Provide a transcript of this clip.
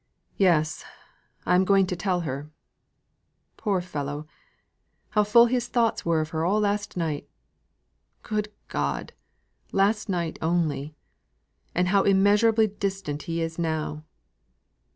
Yes! I am going to tell her. Poor fellow! how full his thoughts were of her all last night! Good God! Last night only. And how immeasurably distant he is now!